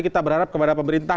kita berharap kepada pemerintah